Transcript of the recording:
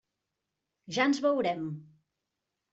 Ja ens veurem.